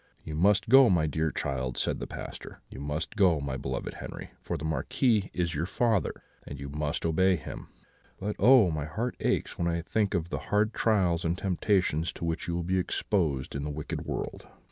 "'You must go, my dear child,' said the Pastor; 'you must go, my beloved Henri, for the Marquis is your father, and you must obey him; but oh! my heart aches when I think of the hard trials and temptations to which you will be exposed in the wicked world.'